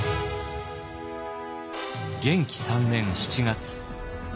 元亀３年７月。